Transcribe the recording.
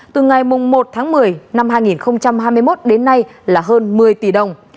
từ ngày một tháng một mươi năm hai nghìn hai mươi một đến nay là hơn một mươi tỷ đồng